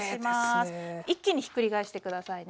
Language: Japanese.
一気にひっくり返して下さいね。